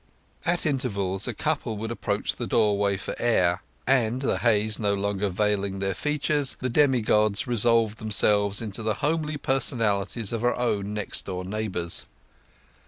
At intervals a couple would approach the doorway for air, and the haze no longer veiling their features, the demigods resolved themselves into the homely personalities of her own next door neighbours.